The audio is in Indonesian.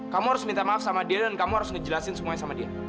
kamu harus minta maaf sama dia dan kamu harus ngejelasin semuanya sama dia